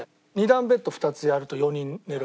２段ベッド２つやると４人寝るわけ。